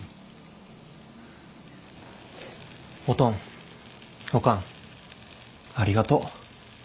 おとんおかんありがとう。